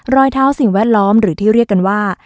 รอยเท้าสิ่งแวดล้อมหรือที่เรียกกันว่า